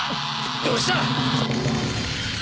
どうした！